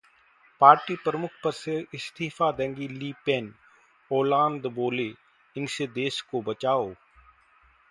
party प्रमुख पद से इस्तीफा देंगी ली पेन, ओलांद बोले- इनसे देश को बचाओ